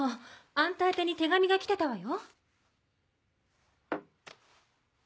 あんた宛てに手紙が来てたわよ。